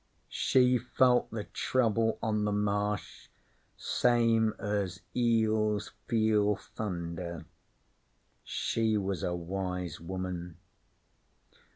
She felt the Trouble on the Marsh same as eels feel thunder. She was a wise woman.'